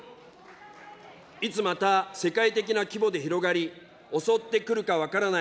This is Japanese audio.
いつまた世界的な規模で広がり、襲ってくるか分からない